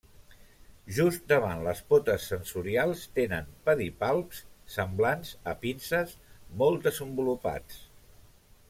Just davant les potes sensorials tenen pedipalps semblants a pinces molt desenvolupats.